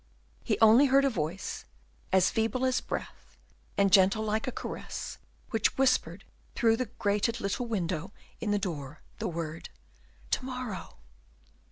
He only heard a voice as feeble as a breath, and gentle like a caress, which whispered through the grated little window in the door the word, "To morrow!"